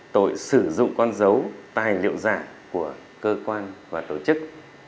tội sử dụng con dấu tài liệu giả của cơ quan và tổ chức